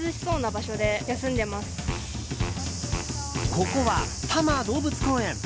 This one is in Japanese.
ここは多摩動物公園。